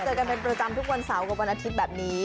เจอกันเป็นประจำทุกวันเสาร์กับวันอาทิตย์แบบนี้